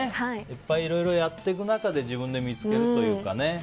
いっぱい、いろいろやる中で自分で見つけるというか。